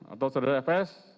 atau sederhana fs